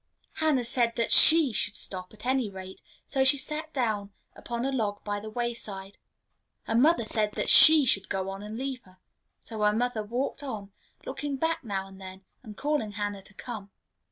Hannah said that she should stop, at any rate; so she sat down upon a log by the way side. Her mother said that she should go on and leave her. So her mother walked on, looking back now and then, and calling Hannah to come.